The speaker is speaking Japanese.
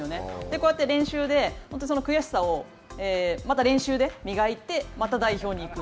こうやって練習でその悔しさをまた練習で磨いて、また代表に行く。